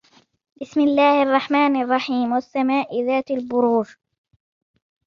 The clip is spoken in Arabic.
بسم الله الرحمن الرحيم والسماء ذات البروج